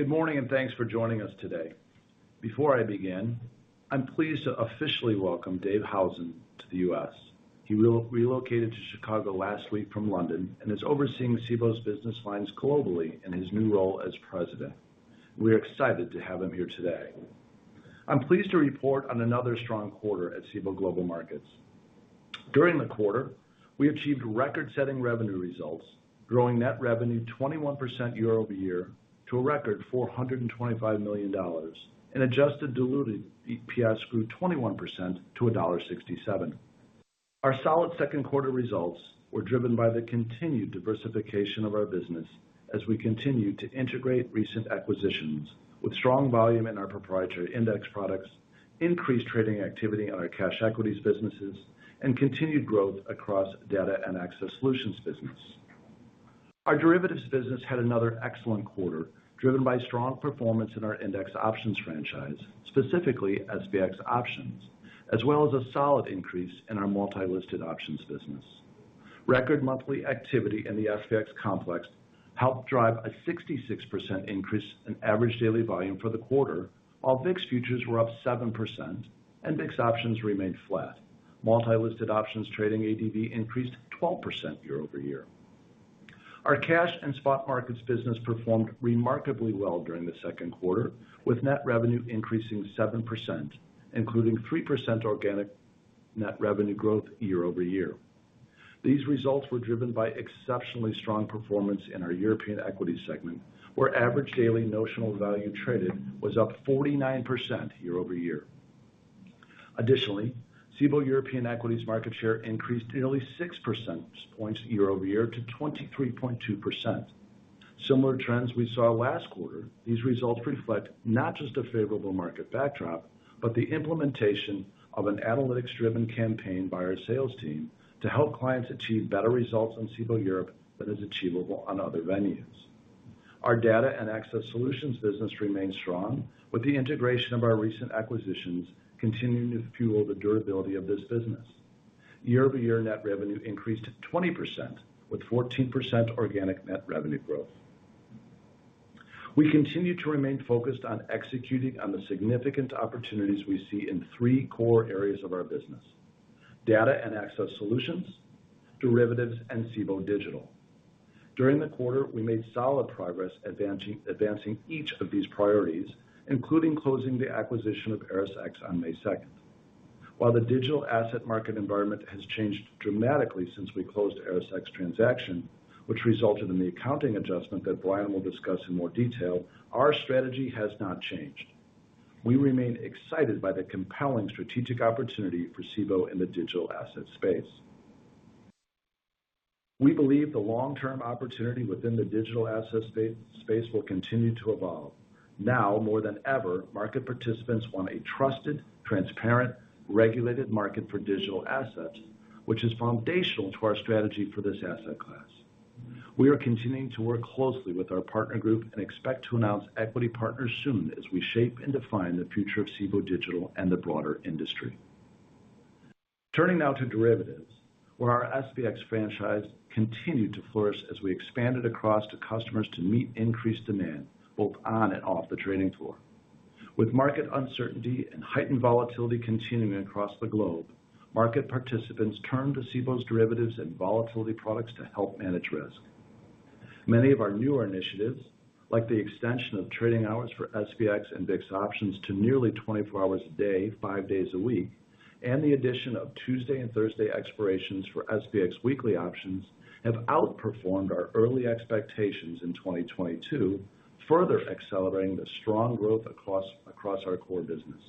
Good morning, and thanks for joining us today. Before I begin, I'm pleased to officially welcome Dave Howson to the U.S. He relocated to Chicago last week from London and is overseeing Cboe's business lines globally in his new role as president. We're excited to have him here today. I'm pleased to report on another strong quarter at Cboe Global Markets. During the quarter, we achieved record-setting revenue results, growing net revenue 21% year-over-year to a record $425 million and adjusted diluted EPS grew 21% to $1.67. Our solid second quarter results were driven by the continued diversification of our business as we continue to integrate recent acquisitions with strong volume in our proprietary index products, increased trading activity in our cash equities businesses, and continued growth across Data and Access Solutions business. Our derivatives business had another excellent quarter, driven by strong performance in our index options franchise, specifically SPX options, as well as a solid increase in our multi-listed options business. Record monthly activity in the SPX complex helped drive a 66% increase in average daily volume for the quarter, while VIX futures were up 7% and VIX options remained flat. Multi-listed options trading ADV increased 12% year-over-year. Our cash and spot markets business performed remarkably well during the second quarter, with net revenue increasing 7%, including 3% organic net revenue growth year-over-year. These results were driven by exceptionally strong performance in our European equities segment, where average daily notional value traded was up 49% year-over-year. Additionally, Cboe European Equities market share increased nearly 6 percentage points year-over-year to 23.2%. Similar trends we saw last quarter. These results reflect not just a favorable market backdrop, but the implementation of an analytics-driven campaign by our sales team to help clients achieve better results on Cboe Europe than is achievable on other venues. Our Data and Access Solutions business remains strong, with the integration of our recent acquisitions continuing to fuel the durability of this business. Year-over-year net revenue increased 20%, with 14% organic net revenue growth. We continue to remain focused on executing on the significant opportunities we see in three core areas of our business: Data and Access Solutions, Derivatives, and Cboe Digital. During the quarter, we made solid progress advancing each of these priorities, including closing the acquisition of ErisX on May 2nd. While the digital asset market environment has changed dramatically since we closed ErisX transaction, which resulted in the accounting adjustment that Brian will discuss in more detail, our strategy has not changed. We remain excited by the compelling strategic opportunity for Cboe in the digital asset space. We believe the long-term opportunity within the digital asset space will continue to evolve. Now more than ever, market participants want a trusted, transparent, regulated market for digital assets, which is foundational to our strategy for this asset class. We are continuing to work closely with our partner group and expect to announce equity partners soon as we shape and define the future of Cboe Digital and the broader industry. Turning now to derivatives, where our SPX franchise continued to flourish as we expanded access to customers to meet increased demand both on and off the trading floor. With market uncertainty and heightened volatility continuing across the globe, market participants turned to Cboe's derivatives and volatility products to help manage risk. Many of our newer initiatives, like the extension of trading hours for SPX and VIX options to nearly 24 hours a day, five days a week, and the addition of Tuesday and Thursday expirations for SPX weekly options, have outperformed our early expectations in 2022, further accelerating the strong growth across our core business.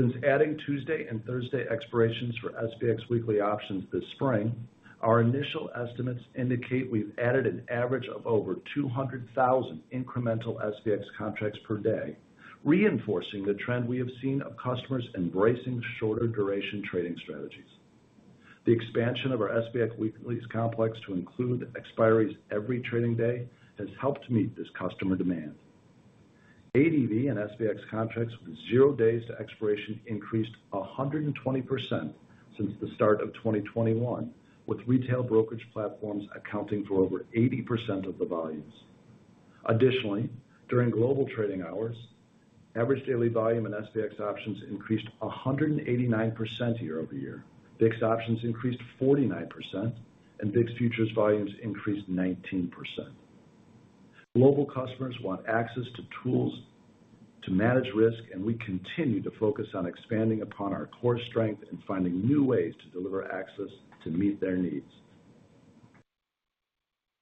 Since adding Tuesday and Thursday expirations for SPX weekly options this spring, our initial estimates indicate we've added an average of over 200,000 incremental SPX contracts per day, reinforcing the trend we have seen of customers embracing shorter duration trading strategies. The expansion of our SPX Weeklys complex to include expirations every trading day has helped meet this customer demand. ADV and SPX contracts with zero days to expiration increased 120% since the start of 2021, with retail brokerage platforms accounting for over 80% of the volumes. Additionally, during Global Trading Hours, average daily volume in SPX options increased 189% year-over-year. VIX options increased 49%, and VIX futures volumes increased 19%. Global customers want access to tools to manage risk, and we continue to focus on expanding upon our core strength and finding new ways to deliver access to meet their needs.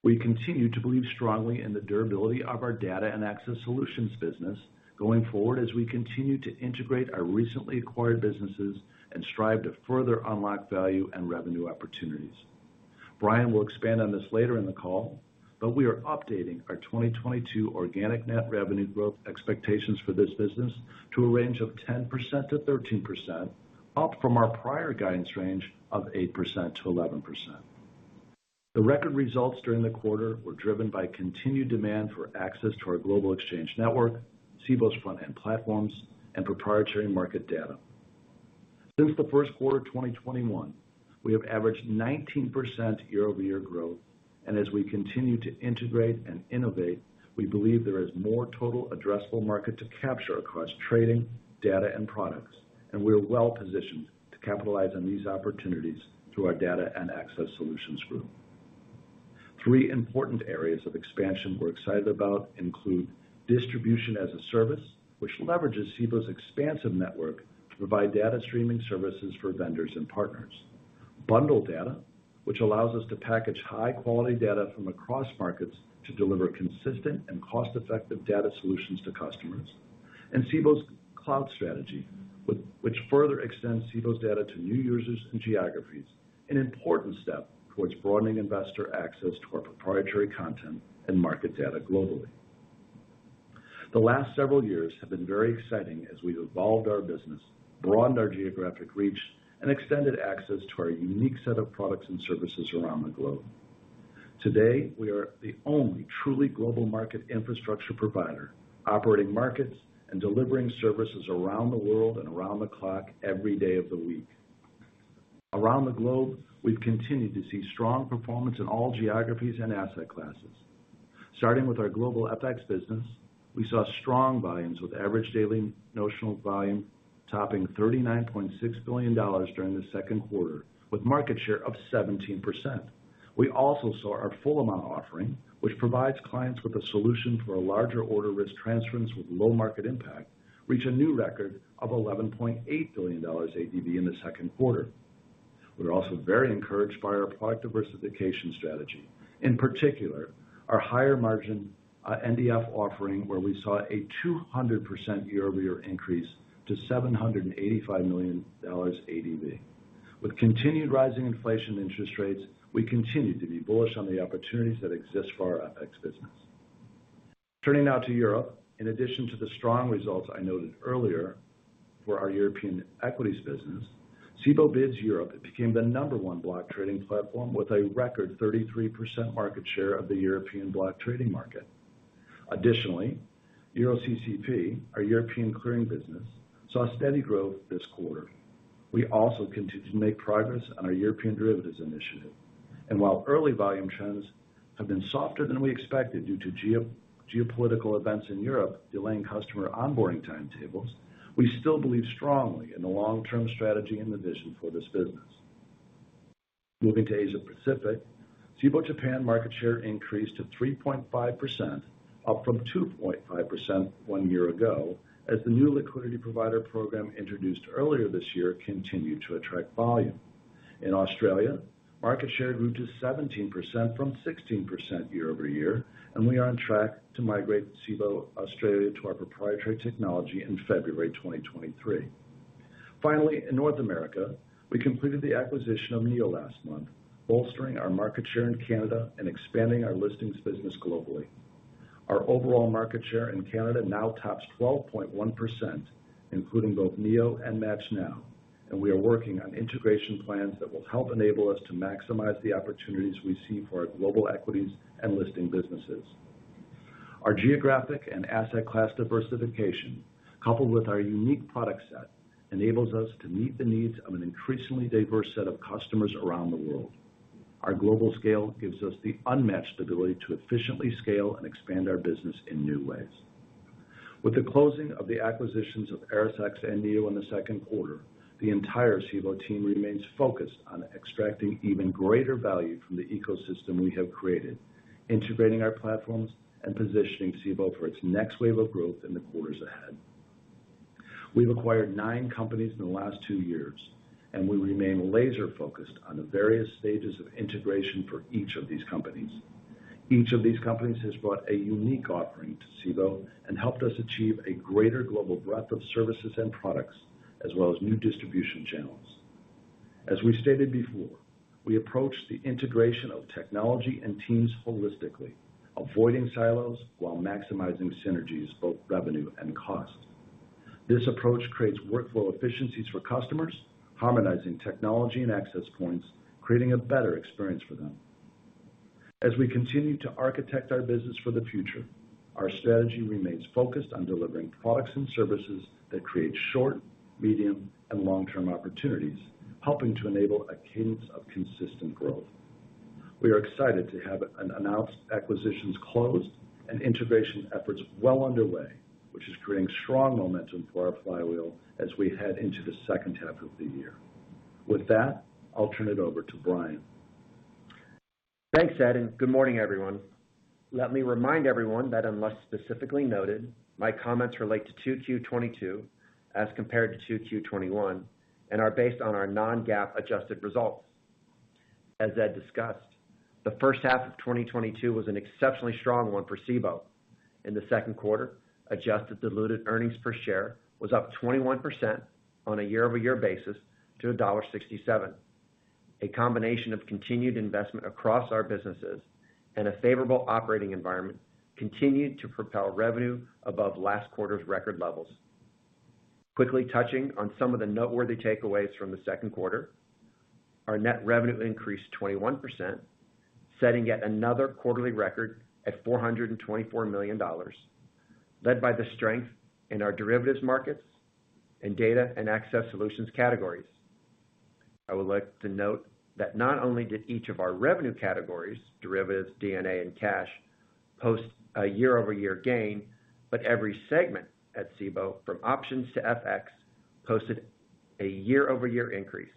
We continue to believe strongly in the durability of our Data and Access Solutions business going forward as we continue to integrate our recently acquired businesses and strive to further unlock value and revenue opportunities. Brian will expand on this later in the call, but we are updating our 2022 organic net revenue growth expectations for this business to a range of 10%-13%, up from our prior guidance range of 8%-11%. The record results during the quarter were driven by continued demand for access to our global exchange network, Cboe's front-end platforms, and proprietary market data. Since the first quarter of 2021, we have averaged 19% year-over-year growth. As we continue to integrate and innovate, we believe there is more total addressable market to capture across trading, data, and products. We're well-positioned to capitalize on these opportunities through our Data and Access Solutions group. Three important areas of expansion we're excited about include Distribution as a Service, which leverages Cboe's expansive network to provide data streaming services for vendors and partners. Bundle data, which allows us to package high quality data from across markets to deliver consistent and cost-effective data solutions to customers. Cboe's Cloud strategy, which further extends Cboe's data to new users and geographies, an important step towards broadening investor access to our proprietary content and market data globally. The last several years have been very exciting as we've evolved our business, broadened our geographic reach, and extended access to our unique set of products and services around the globe. Today, we are the only truly global market infrastructure provider, operating markets and delivering services around the world and around the clock every day of the week. Around the globe, we've continued to see strong performance in all geographies and asset classes. Starting with our global FX business, we saw strong volumes with average daily notional volume topping $39.6 billion during the second quarter, with market share of 17%. We also saw our Full Amount Offering, which provides clients with a solution for a larger order risk transference with low market impact, reach a new record of $11.8 billion ADV in the second quarter. We're also very encouraged by our product diversification strategy. In particular, our higher margin NDF offering, where we saw a 200% year-over-year increase to $785 million ADV. With continued rising inflation, interest rates, we continue to be bullish on the opportunities that exist for our FX business. Turning now to Europe, in addition to the strong results I noted earlier for our European equities business, Cboe BIDS Europe became the number one block trading platform with a record 33% market share of the European block trading market. Additionally, EuroCCP, our European clearing business, saw steady growth this quarter. We also continued to make progress on our European derivatives initiative. While early volume trends have been softer than we expected due to geopolitical events in Europe delaying customer onboarding timetables, we still believe strongly in the long-term strategy and the vision for this business. Moving to Asia-Pacific, Cboe Japan market share increased to 3.5%, up from 2.5% one year ago, as the new liquidity provider program introduced earlier this year continued to attract volume. In Australia, market share grew to 17% from 16% year-over-year, and we are on track to migrate Cboe Australia to our proprietary technology in February 2023. Finally, in North America, we completed the acquisition of NEO last month, bolstering our market share in Canada and expanding our listings business globally. Our overall market share in Canada now tops 12.1%, including both NEO and MATCHNow. We are working on integration plans that will help enable us to maximize the opportunities we see for our global equities and listing businesses. Our geographic and asset class diversification, coupled with our unique product set, enables us to meet the needs of an increasingly diverse set of customers around the world. Our global scale gives us the unmatched ability to efficiently scale and expand our business in new ways. With the closing of the acquisitions of ErisX and NEO in the second quarter, the entire Cboe team remains focused on extracting even greater value from the ecosystem we have created, integrating our platforms and positioning Cboe for its next wave of growth in the quarters ahead. We've acquired nine companies in the last two years, and we remain laser focused on the various stages of integration for each of these companies. Each of these companies has brought a unique offering to Cboe and helped us achieve a greater global breadth of services and products, as well as new distribution channels. As we stated before, we approach the integration of technology and teams holistically, avoiding silos while maximizing synergies, both revenue and cost. This approach creates workflow efficiencies for customers, harmonizing technology and access points, creating a better experience for them. As we continue to architect our business for the future, our strategy remains focused on delivering products and services that create short, medium, and long-term opportunities, helping to enable a cadence of consistent growth. We are excited to have announced acquisitions closed and integration efforts well underway, which is creating strong momentum for our flywheel as we head into the second half of the year. With that, I'll turn it over to Brian. Thanks, Ed, and good morning, everyone. Let me remind everyone that unless specifically noted, my comments relate to 2Q 2022 as compared to 2Q 2021, and are based on our non-GAAP adjusted results. As Ed discussed, the first half of 2022 was an exceptionally strong one for Cboe. In the second quarter, adjusted diluted earnings per share was up 21% on a year-over-year basis to $1.67. A combination of continued investment across our businesses and a favorable operating environment continued to propel revenue above last quarter's record levels. Quickly touching on some of the noteworthy takeaways from the second quarter. Our net revenue increased 21%, setting yet another quarterly record at $424 million, led by the strength in our derivatives markets and Data and Access Solutions categories. I would like to note that not only did each of our revenue categories, derivatives, D&A and cash, post a year-over-year gain, but every segment at Cboe, from options to FX, posted a year-over-year increase,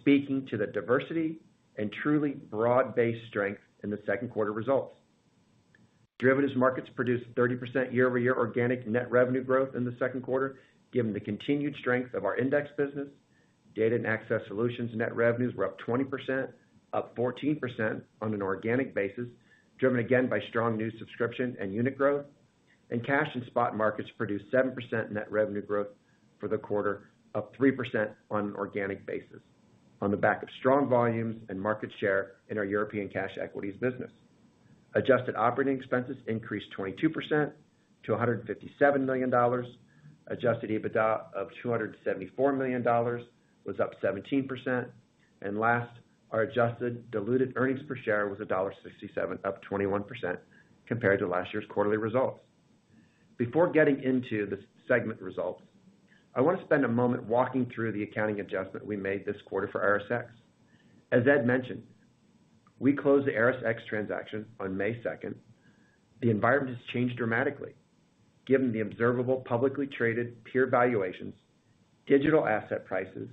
speaking to the diversity and truly broad-based strength in the second quarter results. Derivatives markets produced 30% year-over-year organic net revenue growth in the second quarter, given the continued strength of our index business. Data and access solutions net revenues were up 20%, up 14% on an organic basis, driven again by strong new subscription and unit growth. Cash and spot markets produced 7% net revenue growth for the quarter, up 3% on an organic basis on the back of strong volumes and market share in our European cash equities business. Adjusted operating expenses increased 22% to $157 million. Adjusted EBITDA of $274 million was up 17%. Last, our adjusted diluted earnings per share was $1.67, up 21% compared to last year's quarterly results. Before getting into the segment results, I wanna spend a moment walking through the accounting adjustment we made this quarter for ErisX. As Ed mentioned, we closed the ErisX transaction on May 2nd. The environment has changed dramatically. Given the observable publicly traded peer valuations, digital asset prices,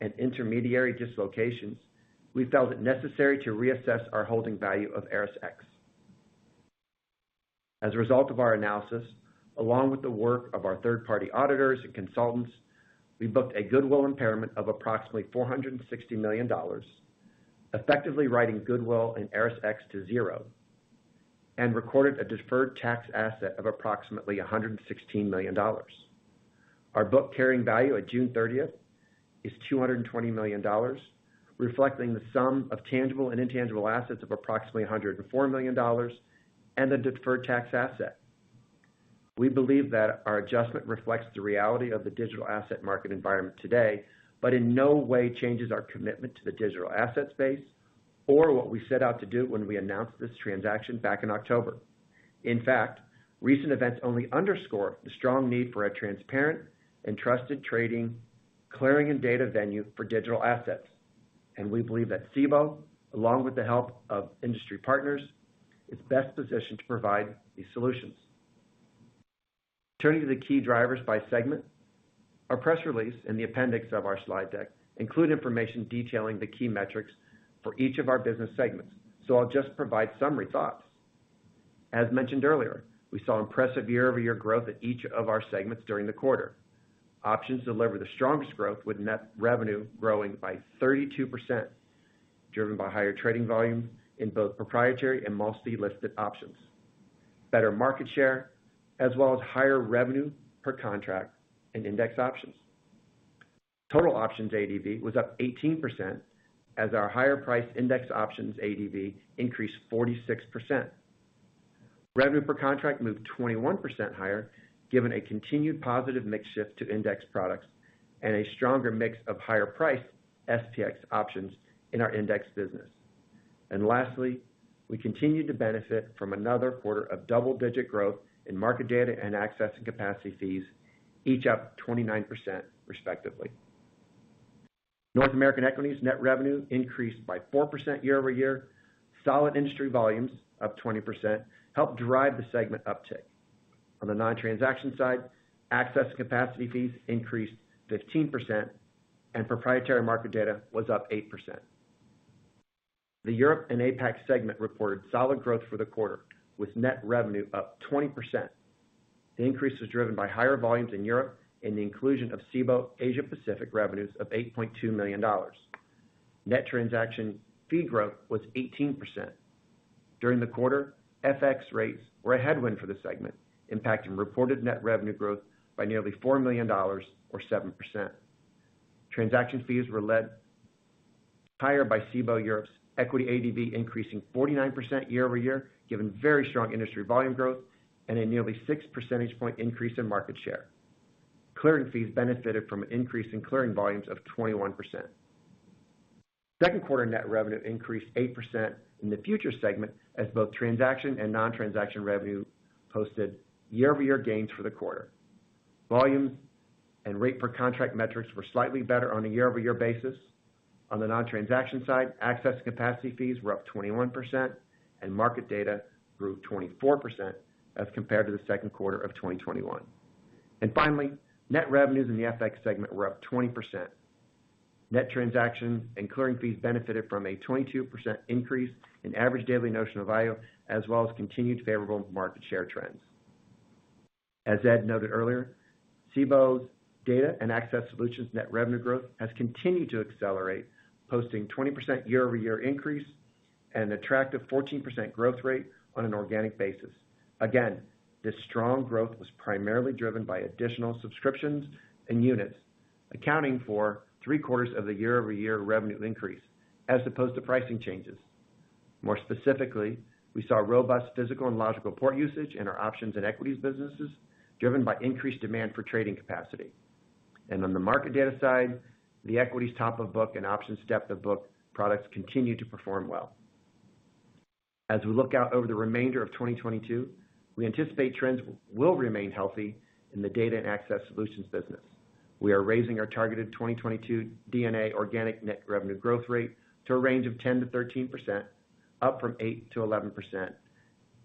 and intermediary dislocations, we felt it necessary to reassess our holding value of ErisX. As a result of our analysis, along with the work of our third-party auditors and consultants, we booked a goodwill impairment of approximately $460 million, effectively writing goodwill in ErisX to zero, and recorded a deferred tax asset of approximately $116 million. Our book carrying value at June 30th is $220 million, reflecting the sum of tangible and intangible assets of approximately $104 million and the deferred tax asset. We believe that our adjustment reflects the reality of the digital asset market environment today, but in no way changes our commitment to the digital asset space or what we set out to do when we announced this transaction back in October. In fact, recent events only underscore the strong need for a transparent and trusted trading, clearing and data venue for digital assets. We believe that Cboe, along with the help of industry partners, is best positioned to provide these solutions. Turning to the key drivers by segment. Our press release in the appendix of our slide deck include information detailing the key metrics for each of our business segments, so I'll just provide summary thoughts. As mentioned earlier, we saw impressive year-over-year growth at each of our segments during the quarter. Options delivered the strongest growth, with net revenue growing by 32%, driven by higher trading volumes in both proprietary and mostly listed options, better market share, as well as higher revenue per contract and index options. Total options ADV was up 18% as our higher price index options ADV increased 46%. Revenue per contract moved 21% higher, given a continued positive mix shift to index products and a stronger mix of higher priced SPX options in our index business. Lastly, we continued to benefit from another quarter of double-digit growth in market data and access and capacity fees, each up 29% respectively. North American equities net revenue increased by 4% year-over-year. Solid industry volumes, up 20%, helped drive the segment uptick. On the non-transaction side, access and capacity fees increased 15% and proprietary market data was up 8%. The Europe and APAC segment reported solid growth for the quarter with net revenue up 20%. The increase was driven by higher volumes in Europe and the inclusion of Cboe Asia Pacific revenues of $8.2 million. Net transaction fee growth was 18%. During the quarter, FX rates were a headwind for the segment, impacting reported net revenue growth by nearly $4 million or 7%. Transaction fees were led higher by Cboe Europe's equity ADV increasing 49% year-over-year, given very strong industry volume growth and a nearly 6 percentage point increase in market share. Clearing fees benefited from an increase in clearing volumes of 21%. Second quarter net revenue increased 8% in the futures segment, as both transaction and non-transaction revenue posted year-over-year gains for the quarter. Volumes and rate per contract metrics were slightly better on a year-over-year basis. On the non-transaction side, access and capacity fees were up 21% and market data grew 24% as compared to the second quarter of 2021. Net revenues in the FX segment were up 20%. Net transactions and clearing fees benefited from a 22% increase in average daily notional value, as well as continued favorable market share trends. As Ed noted earlier, Cboe's Data and Access Solutions net revenue growth has continued to accelerate, posting 20% year-over-year increase and an attractive 14% growth rate on an organic basis. Again, this strong growth was primarily driven by additional subscriptions and units, accounting for three-quarters of the year-over-year revenue increase as opposed to pricing changes. More specifically, we saw robust physical and logical port usage in our options and equities businesses, driven by increased demand for trading capacity. On the market data side, the equities Top of Book and options Depth of Book products continue to perform well. As we look out over the remainder of 2022, we anticipate trends will remain healthy in the Data and Access Solutions business. We are raising our targeted 2022 DNA organic net revenue growth rate to a range of 10%-13%, up from 8%-11%,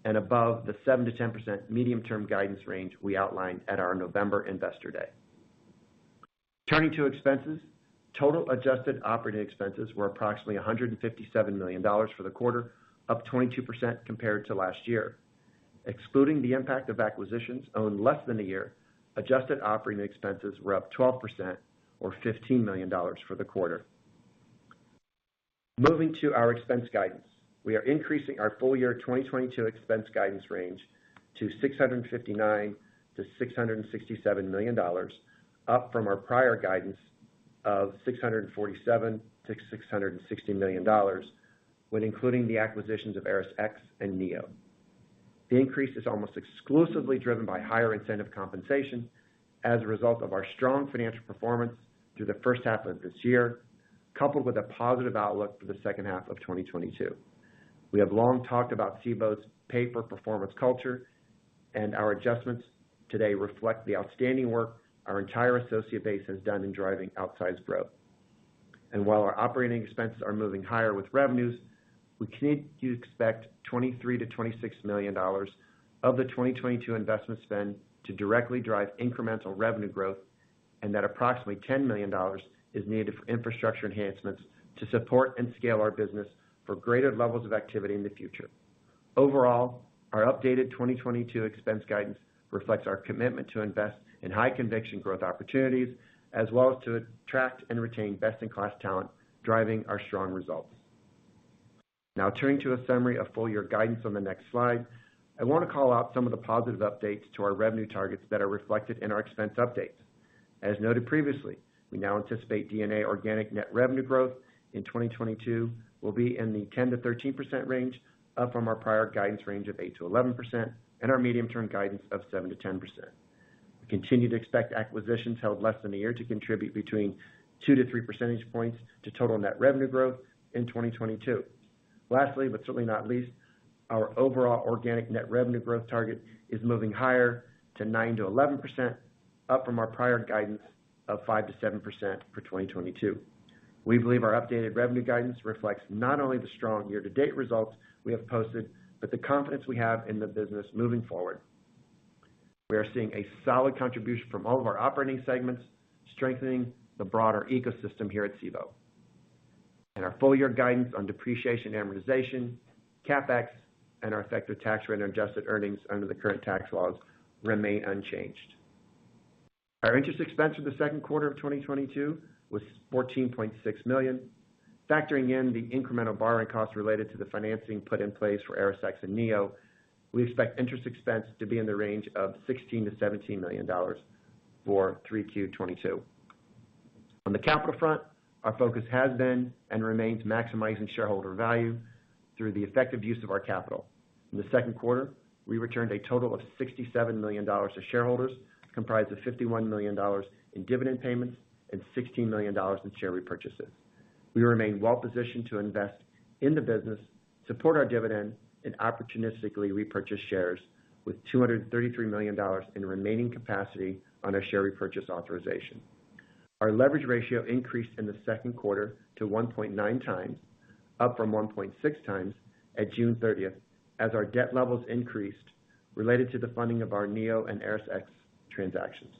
and above the 7%-10% medium-term guidance range we outlined at our November investor day. Turning to expenses. Total adjusted operating expenses were approximately $157 million for the quarter, up 22% compared to last year. Excluding the impact of acquisitions owned less than a year, adjusted operating expenses were up 12% or $15 million for the quarter. Moving to our expense guidance. We are increasing our full year 2022 expense guidance range to $659 million-$667 million, up from our prior guidance of $647 million-$660 million, when including the acquisitions of ErisX and NEO. The increase is almost exclusively driven by higher incentive compensation as a result of our strong financial performance through the first half of this year, coupled with a positive outlook for the second half of 2022. We have long talked about Cboe's pay for performance culture, and our adjustments today reflect the outstanding work our entire associate base has done in driving outsized growth. While our operating expenses are moving higher with revenues, we continue to expect $23 million-$26 million of the 2022 investment spend to directly drive incremental revenue growth, and that approximately $10 million is needed for infrastructure enhancements to support and scale our business for greater levels of activity in the future. Overall, our updated 2022 expense guidance reflects our commitment to invest in high conviction growth opportunities, as well as to attract and retain best-in-class talent, driving our strong results. Now turning to a summary of full year guidance on the next slide. I wanna call out some of the positive updates to our revenue targets that are reflected in our expense updates. As noted previously, we now anticipate DNA organic net revenue growth in 2022 will be in the 10%-13% range, up from our prior guidance range of 8%-11% and our medium-term guidance of 7%-10%. We continue to expect acquisitions held less than a year to contribute between 2-3 percentage points to total net revenue growth in 2022. Lastly, but certainly not least, our overall organic net revenue growth target is moving higher to 9%-11%, up from our prior guidance of 5%-7% for 2022. We believe our updated revenue guidance reflects not only the strong year-to-date results we have posted, but the confidence we have in the business moving forward. We are seeing a solid contribution from all of our operating segments, strengthening the broader ecosystem here at Cboe. Our full year guidance on depreciation, amortization, CapEx, and our effective tax rate on adjusted earnings under the current tax laws remain unchanged. Our interest expense for the second quarter of 2022 was $14.6 million. Factoring in the incremental borrowing costs related to the financing put in place for ErisX and NEO, we expect interest expense to be in the range of $16 million-$17 million for 3Q 2022. On the capital front, our focus has been and remains maximizing shareholder value through the effective use of our capital. In the second quarter, we returned a total of $67 million to shareholders, comprised of $51 million in dividend payments and $16 million in share repurchases. We remain well positioned to invest in the business, support our dividend and opportunistically repurchase shares with $233 million in remaining capacity on our share repurchase authorization. Our leverage ratio increased in the second quarter to 1.9x, up from 1.6x at June 30th, as our debt levels increased related to the funding of our NEO and ErisX transactions.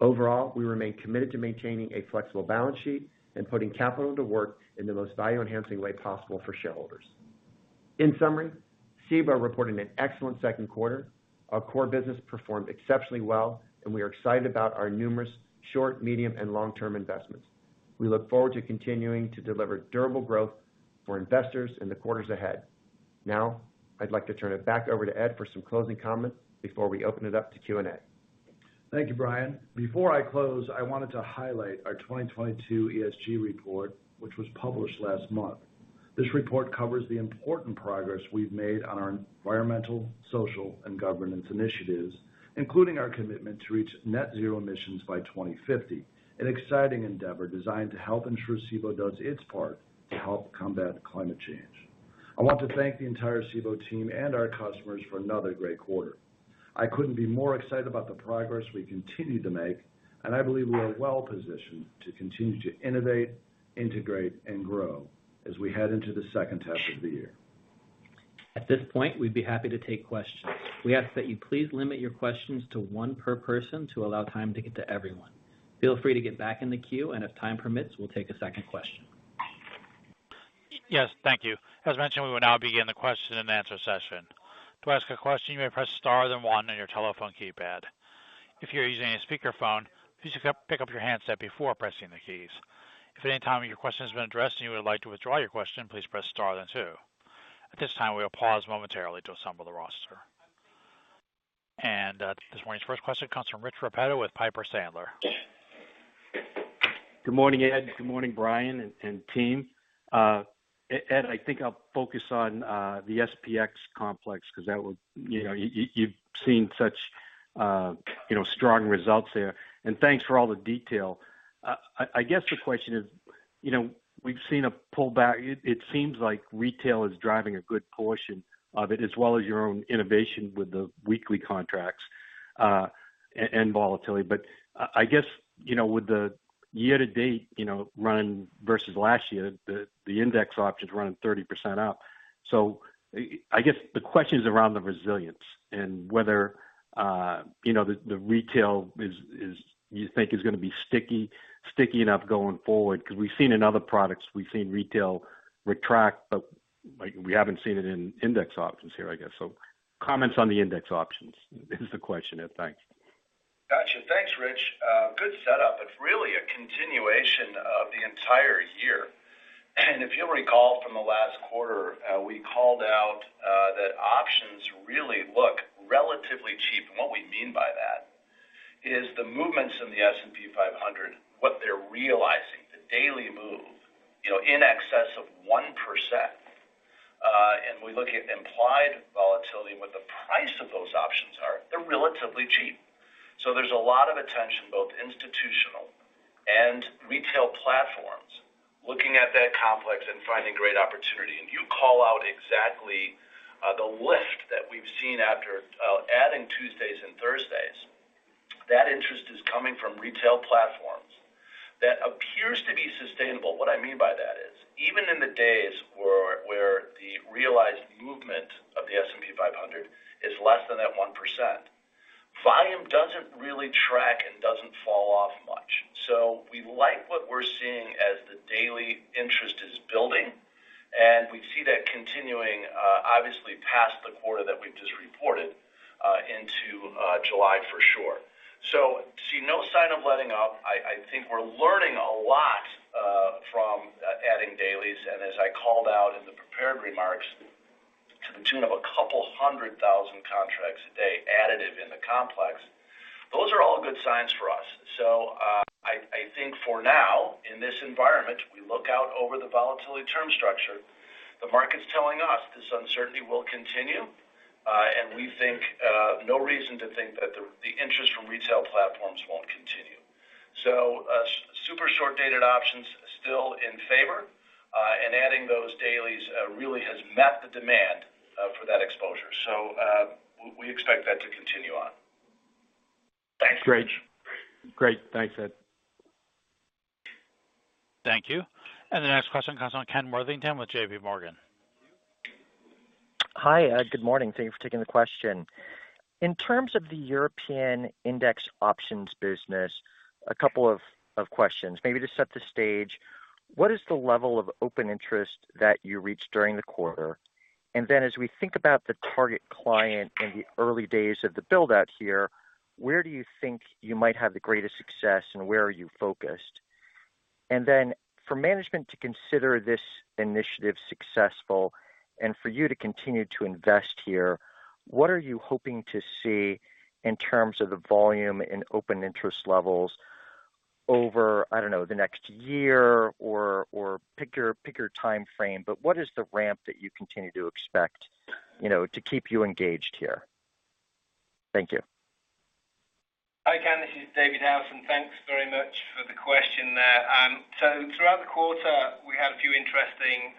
Overall, we remain committed to maintaining a flexible balance sheet and putting capital to work in the most value-enhancing way possible for shareholders. In summary, Cboe reported an excellent second quarter. Our core business performed exceptionally well, and we are excited about our numerous short, medium, and long-term investments. We look forward to continuing to deliver durable growth for investors in the quarters ahead. Now, I'd like to turn it back over to Ed for some closing comments before we open it up to Q&A. Thank you, Brian. Before I close, I wanted to highlight our 2022 ESG report, which was published last month. This report covers the important progress we've made on our environmental, social, and governance initiatives, including our commitment to reach net zero emissions by 2050. An exciting endeavor designed to help ensure Cboe does its part to help combat climate change. I want to thank the entire Cboe team and our customers for another great quarter. I couldn't be more excited about the progress we continue to make, and I believe we are well positioned to continue to innovate, integrate, and grow as we head into the second half of the year. At this point, we'd be happy to take questions. We ask that you please limit your questions to one per person to allow time to get to everyone. Feel free to get back in the queue, and if time permits, we'll take a second question. Yes, thank you. As mentioned, we will now begin the question and answer session. To ask a question, you may press star then one on your telephone keypad. If you're using a speakerphone, please pick up your handset before pressing the keys. If at any time your question has been addressed and you would like to withdraw your question, please press star then two. At this time, we will pause momentarily to assemble the roster. This morning's first question comes from Rich Repetto with Piper Sandler. Good morning, Ed. Good morning, Brian and team. Ed, I think I'll focus on the SPX complex because that was you know, you've seen such you know, strong results there. Thanks for all the detail. I guess the question is, you know, we've seen a pullback. It seems like retail is driving a good portion of it, as well as your own innovation with the weekly contracts and volatility. I guess, you know, with the year-to-date you know, run versus last year, the index options run 30% up. I guess the question is around the resilience and whether you know, the retail is you think is gonna be sticky enough going forward? Because we've seen in other products, we've seen retail retract, but like, we haven't seen it in index options here, I guess. Comments on the index options is the question, Ed. Thanks. Gotcha. Thanks, Rich. Good setup. It's really a continuation of the entire year. If you'll recall from the last quarter, we called out that options really look relatively cheap. What we mean by that is the movements in the S&P 500, what they're realizing, the daily move, you know, in excess of 1%. We look at implied volatility and what the price of those options are, they're relatively cheap. There's a lot of attention, both institutional and retail platforms, looking at that complex and finding great opportunity. You call out exactly the lift that we've seen after adding Tuesdays and Thursdays. That interest is coming from retail platforms that appears to be sustainable. What I mean by that is, even in the days where the realized movement of the S&P 500 is less than that 1%, volume doesn't really track and doesn't fall off much. We like what we're seeing as the daily interest is building, and we see that continuing, obviously past the quarter that we've just reported, into July for sure. See no sign of letting up. I think we're learning a lot from adding dailies, and as I called out in the prepared remarks, to the tune of a couple 100,000 contracts a day additive in the complex. Those are all good signs for us. I think for now, in this environment, we look out over the volatility term structure. The market's telling us this uncertainty will continue, and we think no reason to think that the interest from retail platforms won't continue. Super short-dated options still in favor, and adding those dailies really has met the demand for that exposure. We expect that to continue on. Thanks, Rich. Great. Thanks, Ed. Thank you. The next question comes from Ken Worthington with JPMorgan. Hi, Ed. Good morning. Thank you for taking the question. In terms of the European index options business, a couple of questions. Maybe to set the stage, what is the level of open interest that you reached during the quarter? And then as we think about the target client in the early days of the build-out here, where do you think you might have the greatest success, and where are you focused? And then for management to consider this initiative successful and for you to continue to invest here, what are you hoping to see in terms of the volume in open interest levels over, I don't know, the next year or pick your timeframe, but what is the ramp that you continue to expect, you know, to keep you engaged here? Thank you. Hi, Ken. This is David Howson. Thanks very much for the question there. Throughout the quarter, we had a few interesting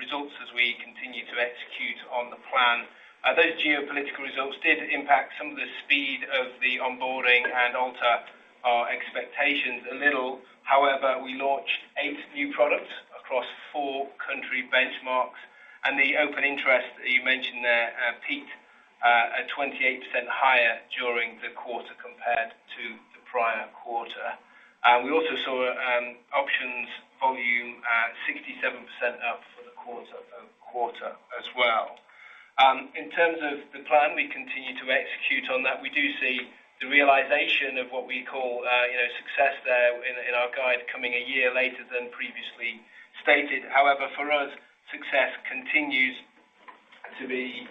results as we continued to execute on the plan. Those geopolitical results did impact some of the speed of the onboarding and alter our expectations a little. However, we launched eight new products across four country benchmarks, and the open interest that you mentioned there peaked at 28% higher during the quarter compared to the prior quarter. We also saw options volume at 67% up for the quarter as well. In terms of the plan, we continue to execute on that. We do see the realization of what we call, you know, success there in our guide coming a year later than previously stated. However, for us, success continues to be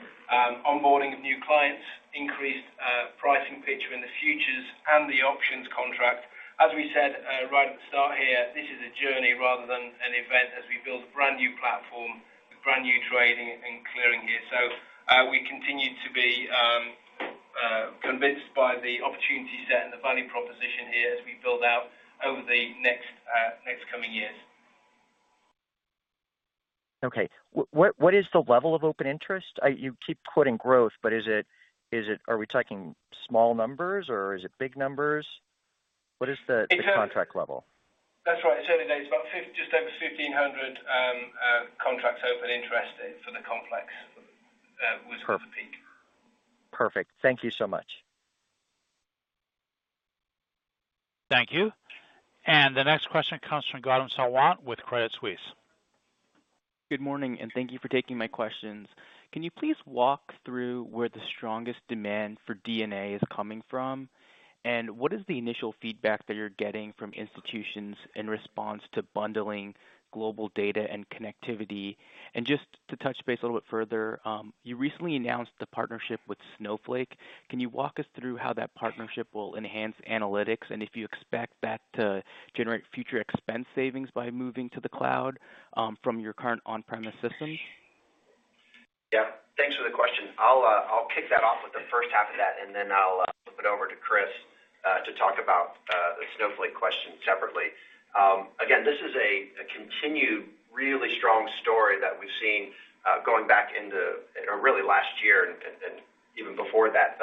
onboarding of new clients, increased pricing picture in the futures and the options contract. As we said, right at the start here, this is a journey rather than an event as we build a brand-new platform with brand-new trading and clearing gear. We continue to be convinced by the opportunity set and the value proposition here as we build out over the next coming years. Okay. What is the level of open interest? You keep quoting growth, but is it, are we talking small numbers or is it big numbers? What is the It's only. the contract level? That's right. It's only about just over 1,500 contracts open interest for the complex. peak. Perfect. Thank you so much. Thank you. The next question comes from Gautam Sawant with Credit Suisse. Good morning, and thank you for taking my questions. Can you please walk through where the strongest demand for DNA is coming from? What is the initial feedback that you're getting from institutions in response to bundling global data and connectivity? Just to touch base a little bit further, you recently announced the partnership with Snowflake. Can you walk us through how that partnership will enhance analytics? If you expect that to generate future expense savings by moving to the cloud, from your current on-premise systems? Yeah. Thanks for the question. I'll kick that off with the first half of that, and then I'll flip it over to Chris to talk about the Snowflake question separately. Again, this is a continued really strong story that we've seen or really last year and even before that.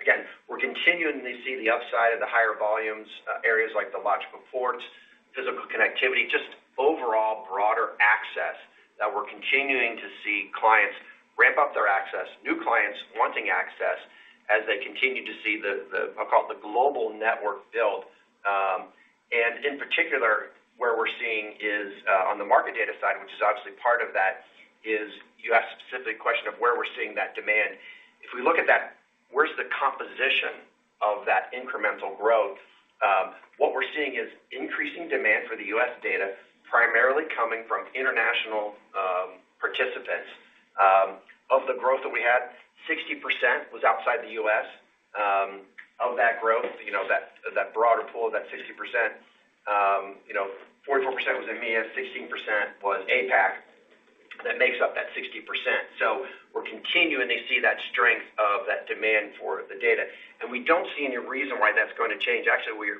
Again, we're continuing to see the upside of the higher volumes, areas like the logical ports, physical connectivity, just overall broader access that we're continuing to see clients ramp up their access. New clients wanting access as they continue to see I'll call it the global network build. In particular, where we're seeing is on the market data side, which is obviously part of that, as you asked a specific question of where we're seeing that demand. If we look at that, where's the composition of that incremental growth? What we're seeing is increasing demand for the U.S. data, primarily coming from international participants. Of the growth that we had, 60% was outside the U.S. Of that growth, you know, that broader pool, that 60%, you know, 44% was EMEA, 16% was APAC. That makes up that 60%. We're continuing to see that strength of that demand for the data. We don't see any reason why that's going to change. Actually,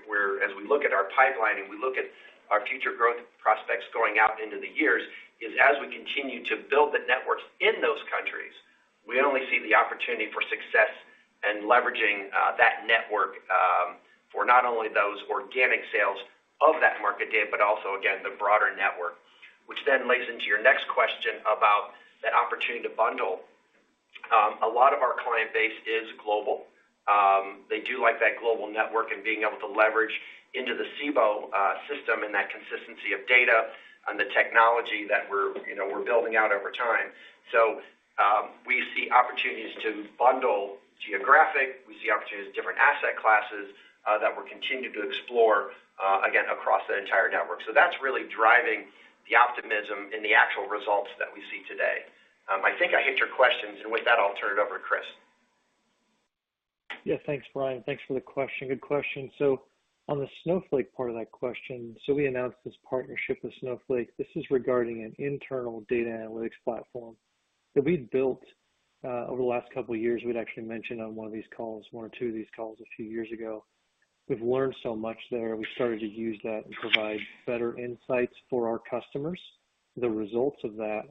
as we look at our pipeline and we look at our future growth prospects going out into the years, as we continue to build the networks in those countries, we only see the opportunity for success and leveraging that network for not only those organic sales of that market data, but also, again, the broader network. Which then leads into your next question about that opportunity to bundle. A lot of our client base is global. They do like that global network and being able to leverage into the Cboe system and that consistency of data and the technology that you know we're building out over time. We see opportunities to bundle geographic, we see opportunities to different asset classes that we're continuing to explore, again, across that entire network. That's really driving the optimism in the actual results that we see today. I think I hit your questions. With that, I'll turn it over to Chris. Yeah. Thanks, Brian. Thanks for the question. Good question. On the Snowflake part of that question, we announced this partnership with Snowflake. This is regarding an internal data analytics platform that we've built over the last couple of years. We'd actually mentioned on one of these calls, one or two of these calls a few years ago. We've learned so much there. We started to use that and provide better insights for our customers. The results of that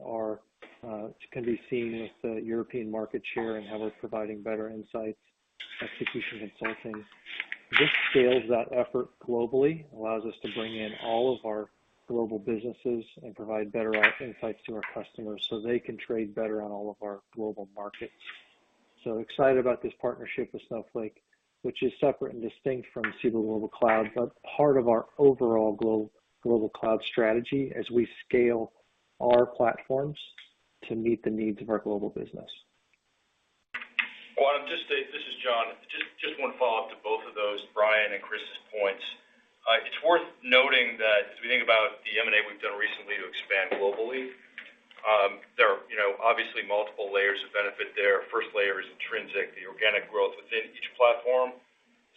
can be seen with the European market share and how we're providing better insights, execution consulting. This scales that effort globally, allows us to bring in all of our global businesses and provide better insights to our customers so they can trade better on all of our global markets. Excited about this partnership with Snowflake, which is separate and distinct from Cboe Global Cloud, but part of our overall global cloud strategy as we scale our platforms to meet the needs of our global business. This is John. Just one follow-up to both of those, Brian and Chris's points. It's worth noting that as we think about the M&A we've done recently to expand globally, there are, you know, obviously multiple layers of benefit there. First layer is intrinsic, the organic growth within each platform.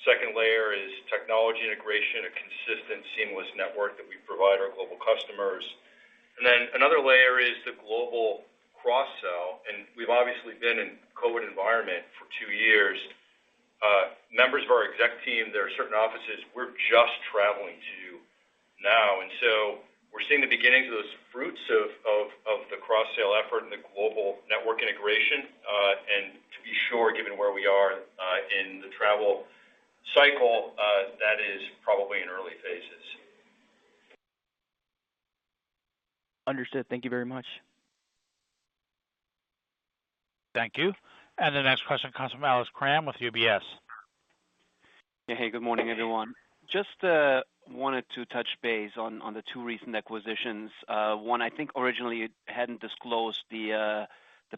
Second layer is technology integration, a consistent seamless network that we provide our global customers. Then another layer is the global cross-sell, and we've obviously been in COVID environment for two years. Members of our exec team, there are certain offices we're just traveling to now. We're seeing the beginnings of those fruits of the cross-sale effort and the global network integration. To be sure, given where we are in the travel cycle, that is probably in early phases. Understood. Thank you very much. Thank you. The next question comes from Alex Kramm with UBS. Yeah. Hey, good morning, everyone. Just wanted to touch base on the two recent acquisitions. One, I think originally you hadn't disclosed the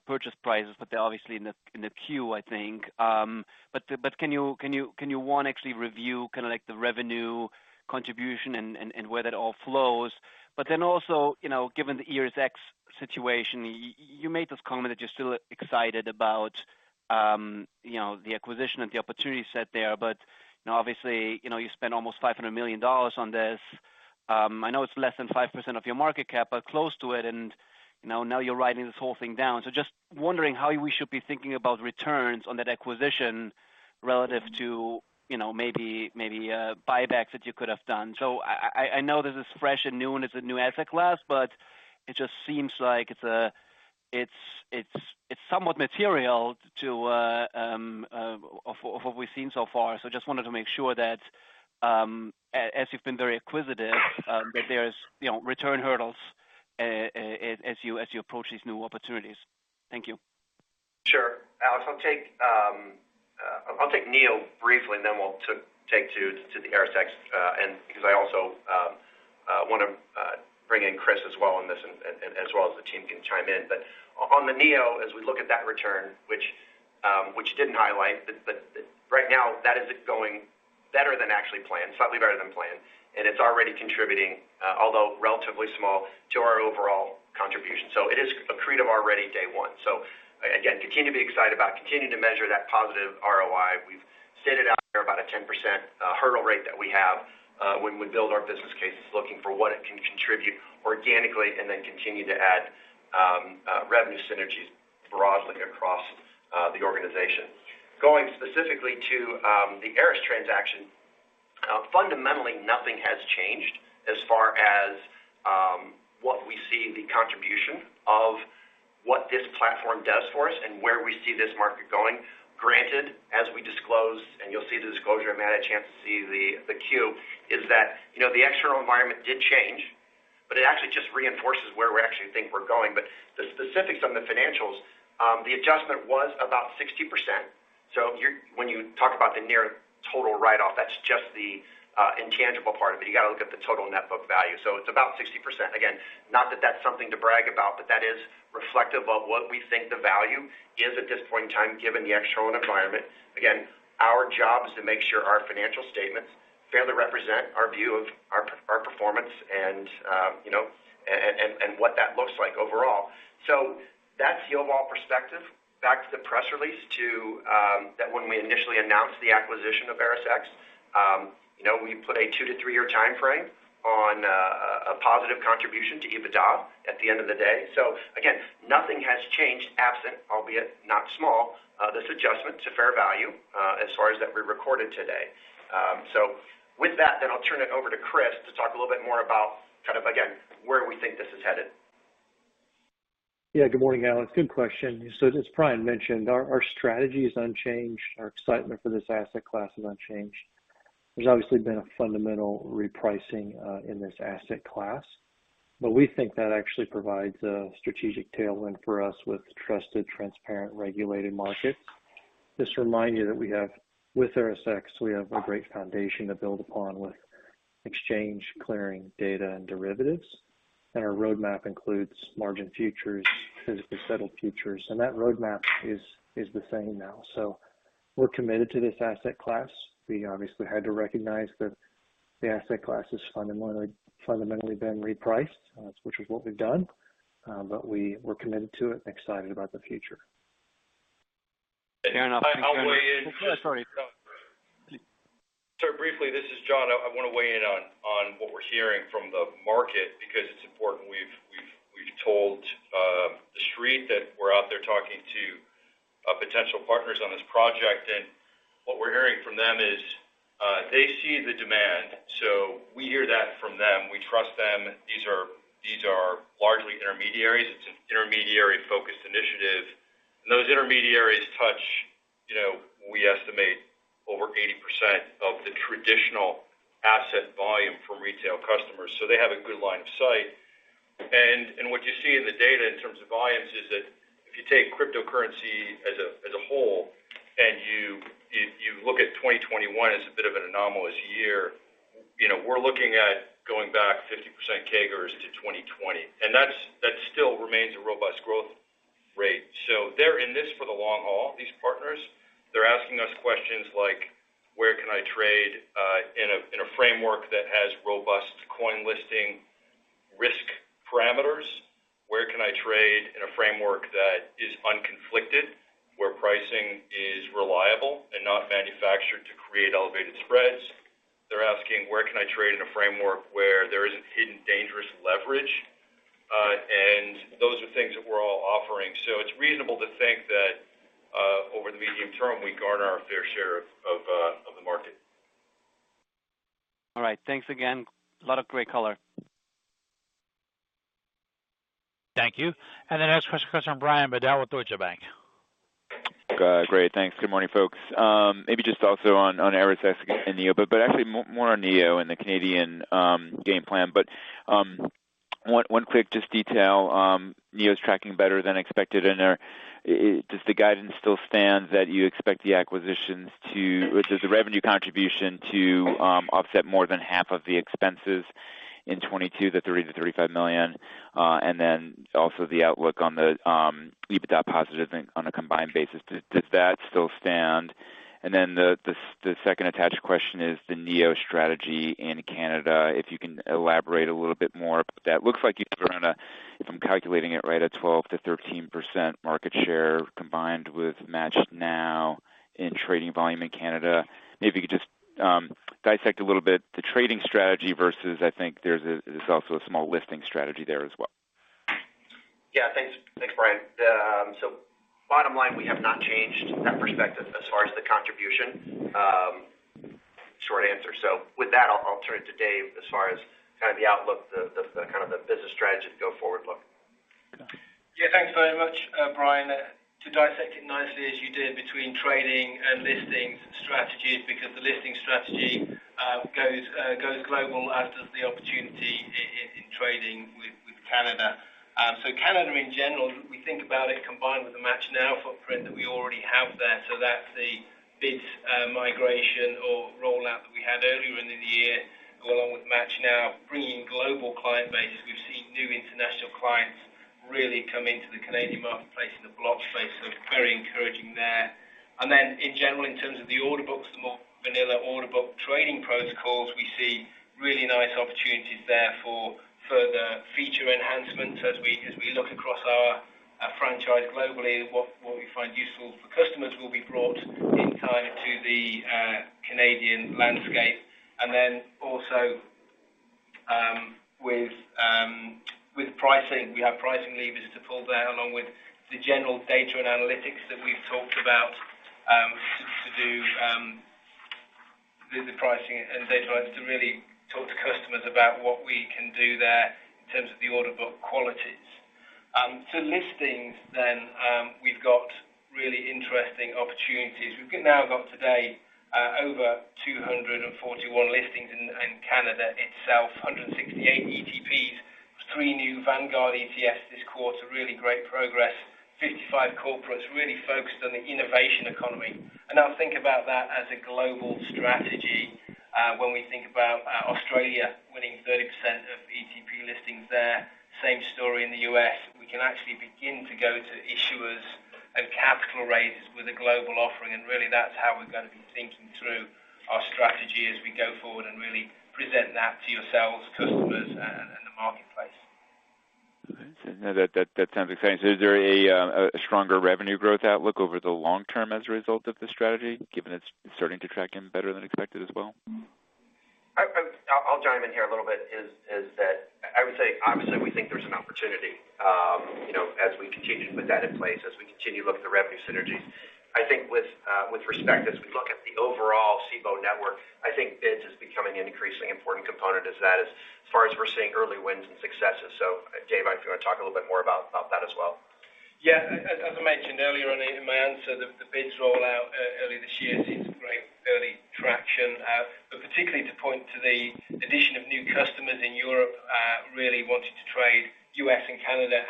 purchase prices, but they're obviously in the queue, I think. But can you actually review kinda like the revenue contribution and where that all flows? But then also, you know, given the ErisX situation, you made this comment that you're still excited about, you know, the acquisition and the opportunity set there. But, you know, obviously, you know, you spent almost $500 million on this. I know it's less than 5% of your market cap, but close to it. You know, now you're writing this whole thing down. Just wondering how we should be thinking about returns on that acquisition relative to, you know, maybe buybacks that you could have done. I know this is fresh and new, and it's a new asset class, but it just seems like it's somewhat material to what we've seen so far. Just wanted to make sure that as you've been very acquisitive, that there's, you know, return hurdles as you approach these new opportunities. Thank you. Sure. Alex, I'll take NEO briefly, and then we'll turn to the ErisX, and because I also wanna bring in Chris as well on this and as well as the team can chime in. On the NEO, as we look at that return, which didn't highlight, that right now that is going better than actually planned, slightly better than planned, and it's already contributing, although relatively small to our overall contribution. It is accretive already day one. Again, continue to be excited about, continue to measure that positive ROI. We've stated out there about a 10% hurdle rate that we have when we build our business cases, looking for what it can contribute organically and then continue to add revenue synergies broadly across the organization. Going specifically to the ErisX transaction, fundamentally, nothing has changed as far as what we see the contribution of what this platform does for us and where we see this market going. Granted, as we disclose, and you'll see the disclosure, if you had a chance to see the Q, is that, you know, the external environment did change, but it actually just reinforces where we actually think we're going. The specifics on the financials, the adjustment was about 60%. So when you talk about the near total write-off, that's just the intangible part of it. You got to look at the total net book value. So it's about 60%. Again, not that that's something to brag about, but that is reflective of what we think the value is at this point in time, given the external environment. Again, our job is to make sure our financial statements fairly represent our view of our performance and what that looks like overall. That's the overall perspective. Back to the press release that when we initially announced the acquisition of ErisX, we put a two to three-year timeframe on a positive contribution to EBITDA at the end of the day. Nothing has changed absent, albeit not small, this adjustment to fair value as far as that we recorded today. With that, I'll turn it over to Chris to talk a little bit more about where we think this is headed. Yeah, good morning, Alan. Good question. As Brian mentioned, our strategy is unchanged. Our excitement for this asset class is unchanged. There's obviously been a fundamental repricing in this asset class, but we think that actually provides a strategic tailwind for us with trusted, transparent, regulated market. Just to remind you that we have with ErisX, we have a great foundation to build upon with exchange, clearing, data, and derivatives. Our roadmap includes margin futures, physically settled futures. That roadmap is the same now. We're committed to this asset class. We obviously had to recognize that the asset class has fundamentally been repriced, which is what we've done, but we're committed to it and excited about the future. I'll weigh in. Sorry. Briefly, this is John. I wanna weigh in on what we're hearing from the market because it's important. We've told the street that we're out there talking to potential partners on this project. What we're hearing from them is they see the demand. We hear that from them. We trust them. These are largely intermediaries. It's an intermediary-focused initiative. Those intermediaries touch, you know, we estimate over 80% of the traditional asset volume from retail customers. They have a good line of sight. What you see in the data in terms of volumes is that if you take cryptocurrency as a whole and you look at 2021 as a bit of an anomalous year, you know, we're looking at going back 50% CAGRs to 2020. That still remains a robust growth rate. They're in this for the long haul, these partners. They're asking us questions like, "Where can I trade in a framework that has robust coin listing risk parameters? Where can I trade in a framework that is unconflicted, where pricing is reliable and not manufactured to create elevated spreads?" They're asking, "Where can I trade in a framework where there isn't hidden dangerous leverage?" And those are things that we're all offering. It's reasonable to think that over the medium term, we garner our fair share of the market. All right. Thanks again. A lot of great color. Thank you. The next question comes from Brian Bedell with Deutsche Bank. Great. Thanks. Good morning, folks. Maybe just also on ErisX and NEO, but actually more on NEO and the Canadian game plan. One quick just detail, NEO is tracking better than expected. Does the guidance still stand that you expect the acquisitions to, which is the revenue contribution to offset more than half of the expenses in 2022, the $30 million-$35 million, and then also the outlook on the EBITDA positive thing on a combined basis. Does that still stand? The second attached question is the NEO strategy in Canada. If you can elaborate a little bit more about that. Looks like you've grown, if I'm calculating it right, a 12%-13% market share combined with MATCHNow in trading volume in Canada. Maybe you could just dissect a little bit the trading strategy versus I think there's also a small listing strategy there as well. Yeah. Thanks, Brian. Bottom line, we have not changed that perspective as far as the contribution. Short answer. With that, I'll turn it to Dave as far as kind of the outlook, the kind of the business strategy going forward. Yeah. Thanks very much, Brian. To dissect it nicely as you did between trading and listings strategies, because the listing strategy goes global, as does the opportunity in trading with Canada. Canada in general, we think about it combined with the MATCHNow footprint that we already have there. That's the BIDS migration or rollout that we had earlier in the year, go along with MATCHNow, bringing global client base. We've seen new international clients really come into the Canadian marketplace in the block space, so very encouraging there. In general, in terms of the order books, the more vanilla order book trading protocols, we see really nice opportunities there for further feature enhancements. As we look across our franchise globally, what we find useful for customers will be brought in time to the Canadian landscape. With pricing, we have pricing levers to pull there along with the general data and analytics that we've talked about, to do the pricing and data to really talk to customers about what we can do there in terms of the order book qualities. To listings then, we've got really interesting opportunities. We've now got today, over 241 listings in Canada itself, 168 ETPs, three new Vanguard ETFs this quarter, really great progress. 55 corporates really focused on the innovation economy. Now think about that as a global strategy, when we think about Australia winning 30% of ETP listings there. Same story in the U.S.We can actually begin to go to issuers and capital raisers with a global offering, and really that's how we're gonna be thinking through our strategy as we go forward and really present that to yourselves, customers and the marketplace. Okay. That sounds exciting. Is there a stronger revenue growth outlook over the long term as a result of this strategy, given it's starting to track in better than expected as well? I'll chime in here a little bit, that I would say, obviously, we think there's an opportunity, you know, as we continue to put that in place, as we continue to look at the revenue synergies. I think with respect, as we look at the overall Cboe network, I think BIDS is becoming an increasingly important component as that is as far as we're seeing early wins and successes. Dave, if you wanna talk a little bit more about that as well. As I mentioned earlier on in my answer, the BIDS rollout early this year has seen some great early traction. Particularly to point to the addition of new customers in Europe, really wanting to trade U.S. and Canada.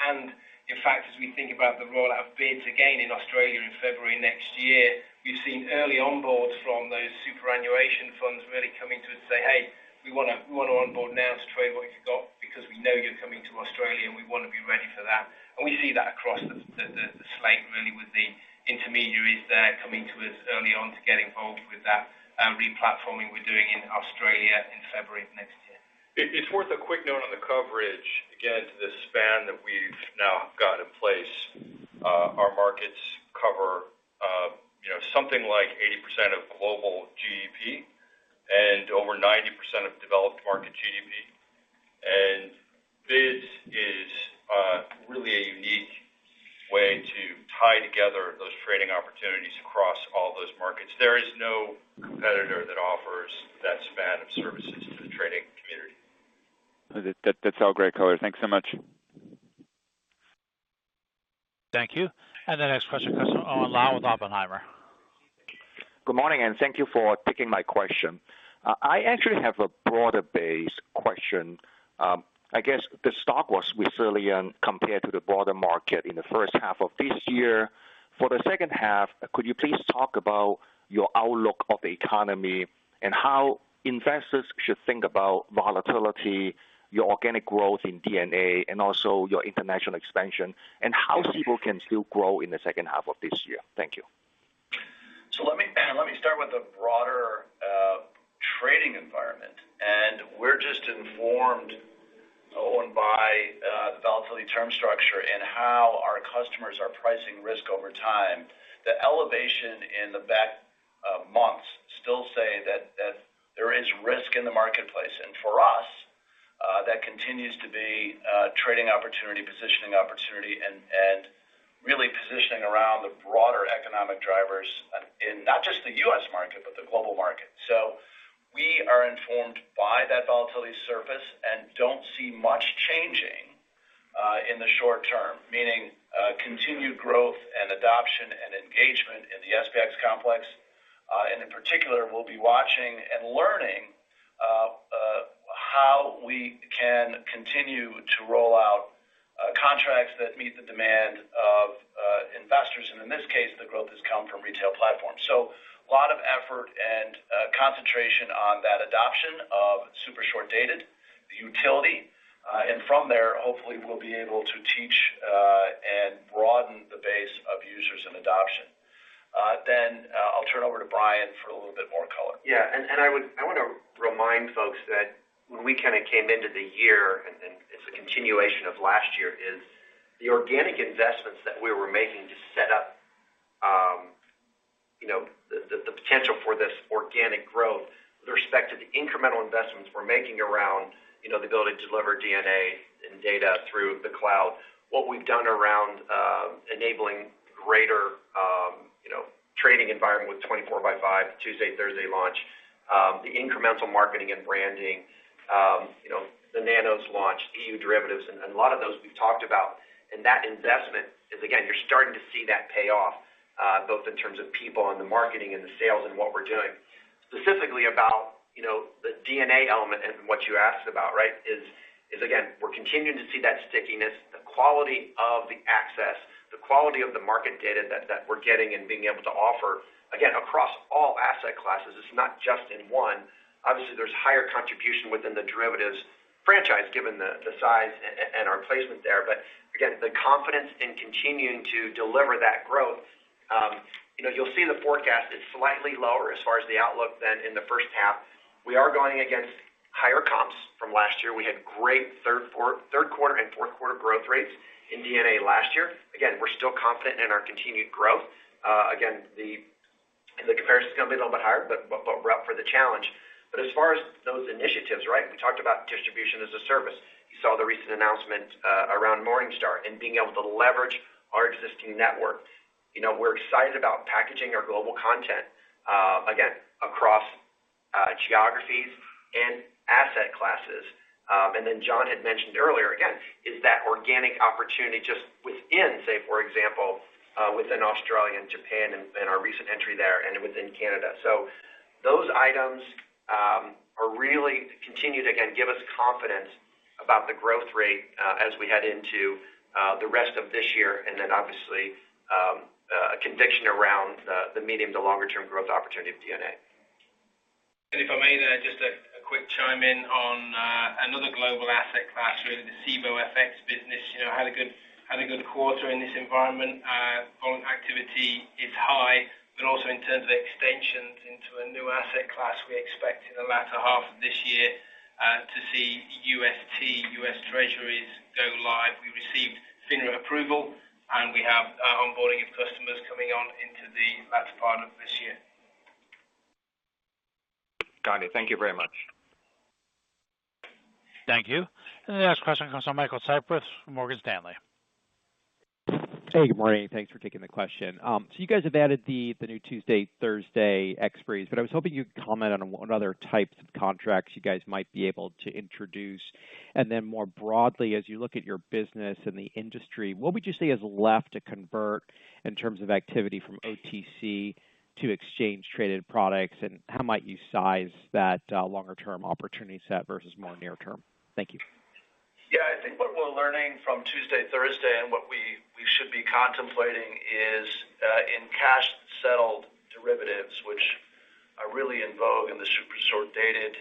In fact, as we think about the rollout of BIDS again in Australia in February next year, we've seen early onboards from those superannuation funds really coming to us say, "Hey, we wanna onboard now to trade what you've got because we know you're coming to Australia, and we wanna be ready for that." We see that across the slate really with the intermediaries there coming to us early on to get involved with that replatforming we're doing in Australia in February of next year. It's worth a quick note on the coverage. Again, to the span that we've now got in place, our markets cover, you know, something like 80% of global GDP and over 90% of developed market GDP. BIDS is really a unique way to tie together those trading opportunities across all those markets. There is no competitor that offers that span of services to the trading community. That's all great color. Thanks so much. Thank you. The next question comes from Owen Lau with Oppenheimer. Good morning, and thank you for taking my question. I actually have a broader-based question. I guess the stock was resilient compared to the broader market in the first half of this year. For the second half, could you please talk about your outlook of the economy and how investors should think about volatility, your organic growth in DNA, and also your international expansion, and how people can still grow in the second half of this year? Thank you. Let me start with the broader trading environment. We're just informed, Owen, by the volatility term structure and how our customers are pricing risk over time. The elevation in the back months still say that there is risk in the marketplace. For us, that continues to be a trading opportunity, positioning opportunity and really positioning around the broader economic drivers, in not just the U.S. market, but the global market. We are informed by that volatility surface and don't see much changing in the short term, meaning continued growth and adoption and engagement in the SPX complex. In particular, we'll be watching and learning how we can continue to roll out contracts that meet the demand of investors. In this case, the growth has come from retail platforms. A lot of effort and concentration on that adoption of super short dated, the utility. From there, hopefully, we'll be able to reach and broaden the base of users and adoption. I'll turn over to Brian for a little bit more color. Yeah. I wanna remind folks that when we kinda came into the year, it's a continuation of last year, is the organic investments that we were making to set up you know the potential for this organic growth with respect to the incremental investments we're making around you know the ability to deliver DNA and data through the cloud. What we've done around enabling greater... Trading environment with 24x5, Tuesday, Thursday launch, the incremental marketing and branding, you know, the Nanos launch, E.U. derivatives, and a lot of those we've talked about, and that investment is again, you're starting to see that pay off, both in terms of people and the marketing and the sales and what we're doing. Specifically about, you know, the DNA element and what you asked about, right? Is again, we're continuing to see that stickiness, the quality of the access, the quality of the market data that we're getting and being able to offer, again, across all asset classes. It's not just in one. Obviously, there's higher contribution within the derivatives franchise, given the size and our placement there. Again, the confidence in continuing to deliver that growth, you know, you'll see the forecast is slightly lower as far as the outlook than in the first half. We are going against higher comps from last year. We had great third quarter and fourth quarter growth rates in DNA last year. Again, we're still confident in our continued growth. Again, the comparison's gonna be a little bit higher, but we're up for the challenge. As far as those initiatives, right, we talked about Distribution as a Service. You saw the recent announcement around Morningstar and being able to leverage our existing network. You know, we're excited about packaging our global content, again, across geographies and asset classes. John had mentioned earlier, again, in that organic opportunity just within, say, for example, within Australia and Japan and our recent entry there and within Canada. Those items are really continue to, again, give us confidence about the growth rate, as we head into the rest of this year, and then obviously, conviction around the medium- to longer-term growth opportunity of DNA. If I may there, just a quick chime in on another global asset class, really the Cboe FX business, you know, had a good quarter in this environment. Volume activity is high, but also in terms of extensions into a new asset class, we expect in the latter half of this year to see U.S. Treasuries go live. We received FINRA approval, and we have onboarding of customers coming on into the latter part of this year. Got it. Thank you very much. Thank you. The next question comes from Michael Cyprys from Morgan Stanley. Hey, good morning. Thanks for taking the question. So you guys have added the new Tuesday, Thursday expires, but I was hoping you'd comment on what other types of contracts you guys might be able to introduce. Then more broadly, as you look at your business and the industry, what would you say is left to convert in terms of activity from OTC to exchange traded products, and how might you size that longer term opportunity set versus more near term? Thank you. Yeah. I think what we're learning from Tuesday, Thursday and what we should be contemplating is in cash settled derivatives, which are really in vogue in the super short-dated,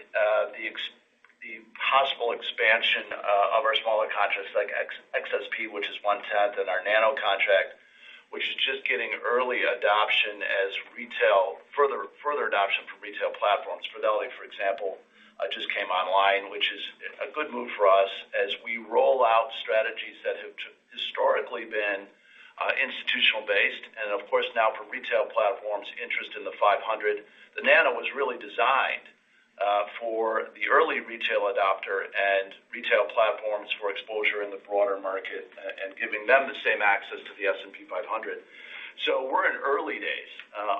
the possible expansion of our smaller contracts like XSP, which is 1/10th, and our Nano contract, which is just getting early adoption as retail further adoption from retail platforms. Fidelity, for example, just came online, which is a good move for us as we roll out strategies that have historically been institutional based. Of course, now for retail platforms, interest in the 500. The Nano was really designed for the early retail adopter and retail platforms for exposure in the broader market and giving them the same access to the S&P 500. We're in early days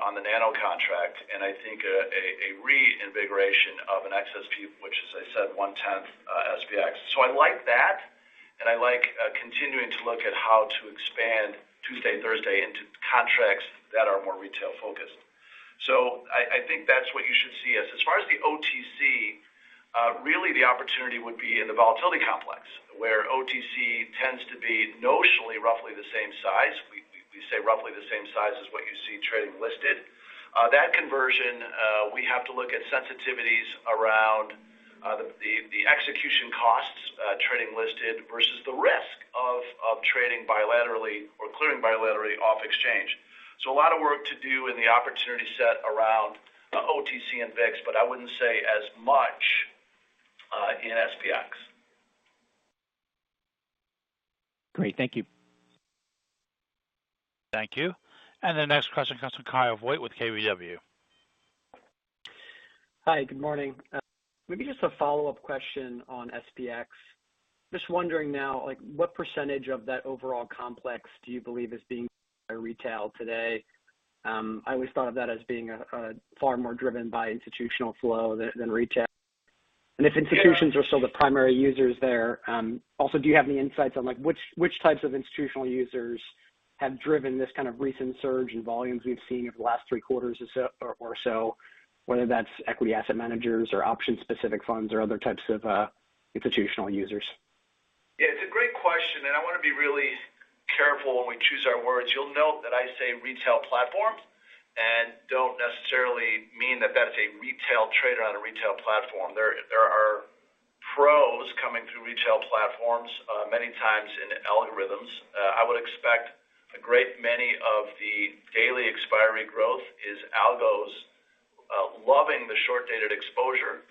on the Nanos contract, and I think a reinvigoration of an XSP, which as I said, 1/10th SPX. I like that, and I like continuing to look at how to expand Tuesday, Thursday into contracts that are more retail-focused. I think that's what you should see. As far as the OTC, really the opportunity would be in the volatility complex, where OTC tends to be notionally roughly the same size. We say roughly the same size as what you see trading listed. That conversion, we have to look at sensitivities around the execution costs, trading listed versus the risk of trading bilaterally or clearing bilaterally off exchange. A lot of work to do in the opportunity set around OTC and VIX, but I wouldn't say as much in SPX. Great. Thank you. Thank you. The next question comes from Kyle Voigt with KBW. Hi, good morning. Maybe just a follow-up question on SPX. Just wondering now, like, what percentage of that overall complex do you believe is being bought by retail today? I always thought of that as being a far more driven by institutional flow than retail. If institutions are still the primary users there, also, do you have any insights on, like, which types of institutional users have driven this kind of recent surge in volumes we've seen over the last three quarters or so, whether that's equity asset managers or option-specific funds or other types of institutional users? Yeah, it's a great question, and I wanna be really careful when we choose our words. You'll note that I say retail platform and don't necessarily mean that that's a retail trader on a retail platform. There are pros coming through retail platforms, many times in algorithms. I would expect a great many of the daily expiry growth is algos, loving the short-dated exposure,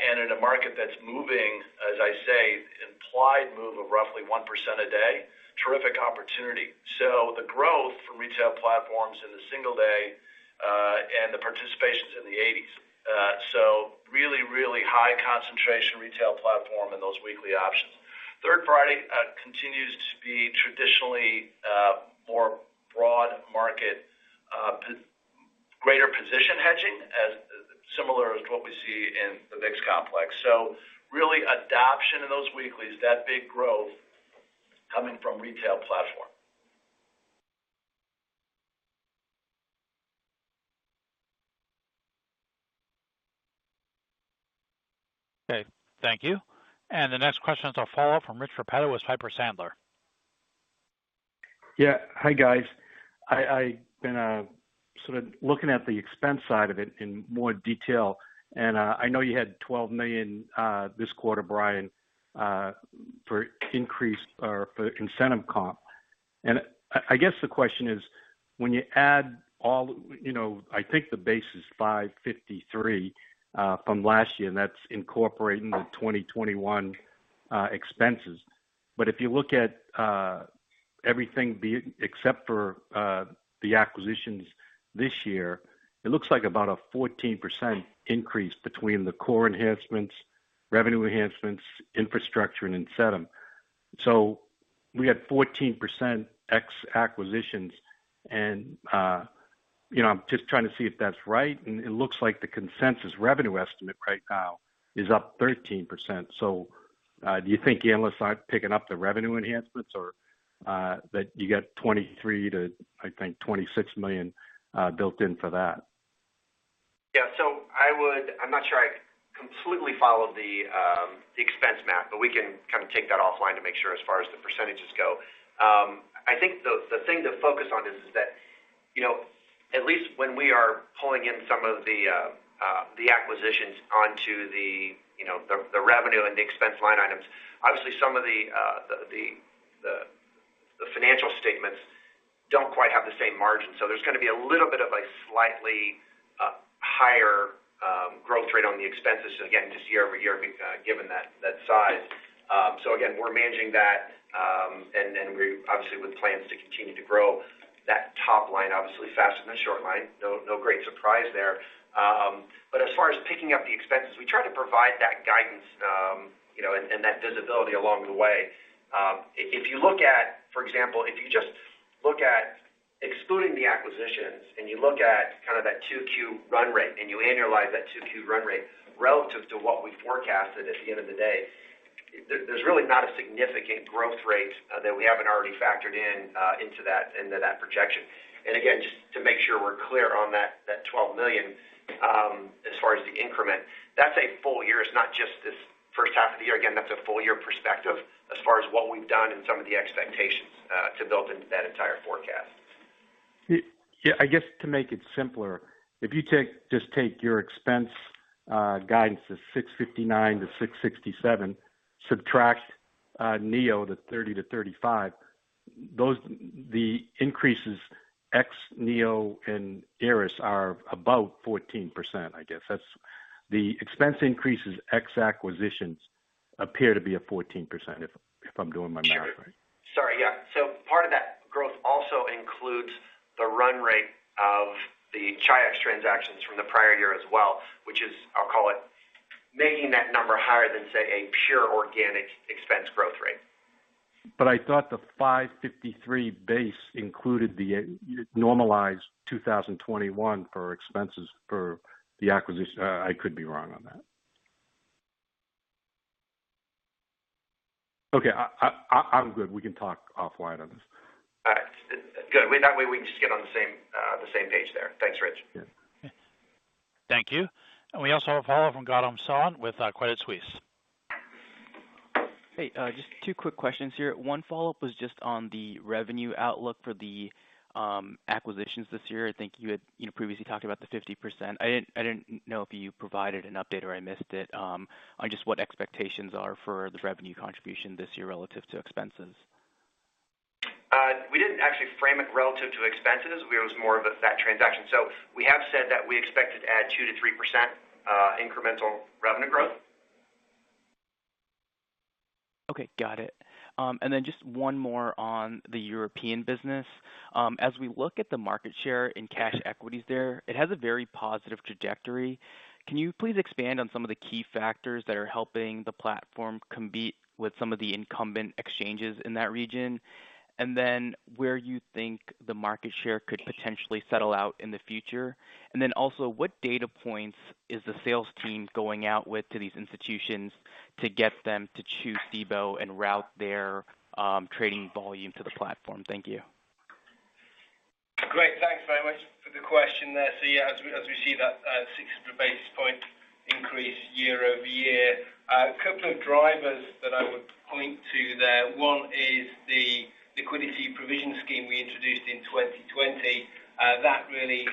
and in a market that's moving, as I say, implied move of roughly 1% a day, terrific opportunity. The growth from retail platforms in the single day The participation's in the 80%. Really high concentration retail platform in those weekly options. Third Friday continues to be traditionally more broad-market greater position hedging similar to what we see in the VIX complex. Real adoption of those weeklies, that big growth coming from retail platform. Okay, thank you. The next question is our follow-up from Rich Repetto with Piper Sandler. Yeah. Hi, guys. I've been sort of looking at the expense side of it in more detail, and I know you had $12 million this quarter, Brian, for increased or for incentive comp. I guess the question is, when you add all. You know, I think the base is $553 million from last year, and that's incorporating the 2021 expenses. If you look at everything except for the acquisitions this year, it looks like about a 14% increase between the core enhancements, revenue enhancements, infrastructure, and incentive. We had 14% ex acquisitions, and you know, I'm just trying to see if that's right. It looks like the consensus revenue estimate right now is up 13%. Do you think the analysts aren't picking up the revenue enhancements or that you got $23 million-$26 million, I think, built in for that? I'm not sure I completely followed the expense math, but we can kind of take that offline to make sure as far as the percentages go. I think the thing to focus on is that, you know, at least when we are pulling in some of the acquisitions onto the revenue and the expense line items, obviously some of the financial statements don't quite have the same margin. There's gonna be a little bit of a slightly higher growth rate on the expenses. Again, just year-over-year given that size. Again, we're managing that and we obviously with plans to continue to grow that top line, obviously faster than the bottom line. No great surprise there. As far as picking up the expenses, we try to provide that guidance, you know, and that visibility along the way. For example, if you just look at excluding the acquisitions and you look at kind of that 2Q run rate, and you annualize that 2Q run rate relative to what we forecasted at the end of the day, there's really not a significant growth rate that we haven't already factored in into that projection. Again, just to make sure we're clear on that $12 million, as far as the increment, that's a full year. It's not just this first half of the year. Again, that's a full year perspective as far as what we've done and some of the expectations to build into that entire forecast. Yeah. I guess to make it simpler, just take your expense guidance of $659-$667 million, subtract NEO, the $30million-$35 million, the increases ex NEO and ErisX are about 14%, I guess. That's the expense increases ex acquisitions appear to be 14% if I'm doing my math right. Sure. Sorry, yeah. Part of that growth also includes the run rate of the Chi-X transactions from the prior year as well, which is, I'll call it, making that number higher than, say, a pure organic expense growth rate. I thought the $553 base included the normalized 2021 for expenses for the acquisition. I could be wrong on that. Okay. I'm good. We can talk offline on this. All right. Good. That way, we can just get on the same page there. Thanks, Rich. Yeah. Thank you. We also have a follow-up from Gautam Sawant with Credit Suisse. Hey. Just two quick questions here. One follow-up was just on the revenue outlook for the acquisitions this year. I think you had, you know, previously talked about the 50%. I didn't know if you provided an update or I missed it on just what expectations are for the revenue contribution this year relative to expenses. We didn't actually frame it relative to expenses. It was more of a that transaction. We have said that we expect to add 2%-3% incremental revenue growth. Okay, got it. Just one more on the European business. As we look at the market share in cash equities there, it has a very positive trajectory. Can you please expand on some of the key factors that are helping the platform compete with some of the incumbent exchanges in that region? Where you think the market share could potentially settle out in the future. What data points is the sales team going out with to these institutions to get them to choose Cboe and route their trading volume to the platform? Thank you. Great. Thanks very much for the question there. As we see that 600 basis points increase year-over-year. A couple of drivers that I would point to there. One is the liquidity provision scheme we introduced in 2020. That really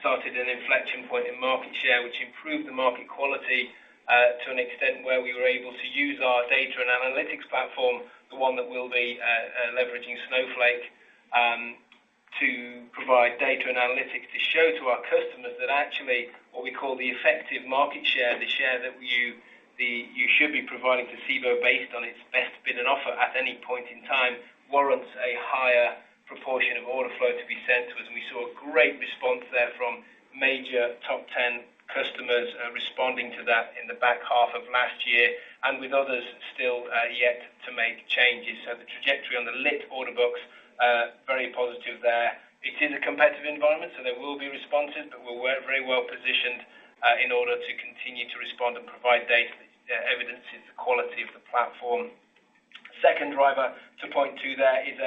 started an inflection point in market share, which improved the market quality to an extent where we were able to use our data and analytics platform, the one that we'll be leveraging Snowflake, to provide data and analytics to show to our customers that actually what we call the effective market share, the share that you should be providing to Cboe based on its best bid and offer at any point in time warrants a higher proportion of order flow to be sent to us. We saw a great response there from major top ten customers, responding to that in the back half of last year and with others still, yet to make changes. The trajectory on the lit order books, very positive there. It is a competitive environment, so there will be responses, but we're very well-positioned, in order to continue to respond and provide data. Evidence is the quality of the platform. Second driver to point to there is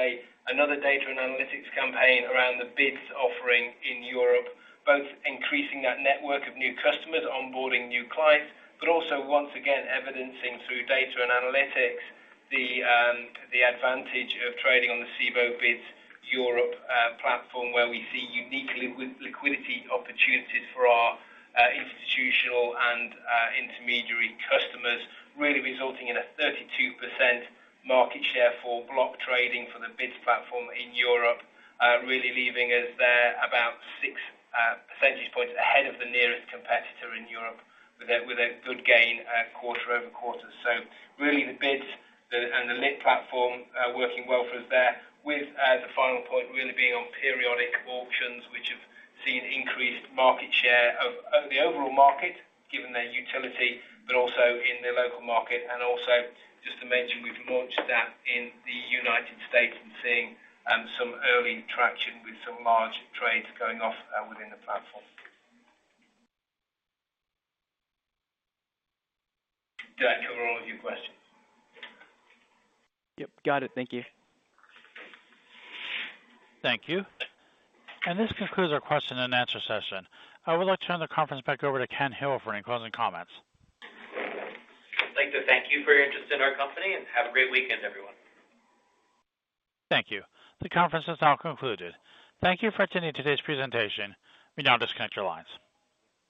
another data and analytics campaign around the BIDS offering in Europe, both increasing that network of new customers, onboarding new clients, but also once again evidencing through data and analytics the advantage of trading on the Cboe BIDS Europe platform, where we see unique liquidity opportunities for our institutional and intermediary customers, really resulting in a 32% market share for block trading for the BIDS platform in Europe. Really leaving us there about 6 percentage points ahead of the nearest competitor in Europe with a good gain quarter-over-quarter. Really the BIDS and the lit platform working well for us there. With the final point really being on Periodic Auctions, which have seen increased market share of the overall market, given their utility, but also in their local market. Also just to mention, we've launched that in the United States and seeing some early traction with some large trades going off within the platform. Did that cover all of your questions? Yep, got it. Thank you. Thank you. This concludes our question and answer session. I would like to turn the conference back over to Ken Hill for any closing comments. I'd like to thank you for your interest in our company, and have a great weekend, everyone. Thank you. The conference has now concluded. Thank you for attending today's presentation. You may now disconnect your lines.